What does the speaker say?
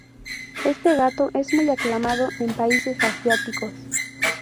Este gato es muy aclamado en países asiáticos.